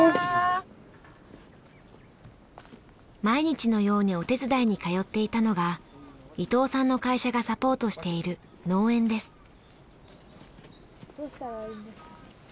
毎日のようにお手伝いに通っていたのが伊東さんの会社がサポートしている農園です。